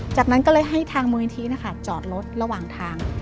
จากนั้นก็เลยให้ทางมูลนิธินะคะจอดรถระหว่างทาง